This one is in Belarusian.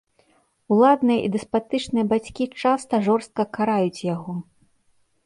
Уладныя і дэспатычныя бацькі часта жорстка караюць яго.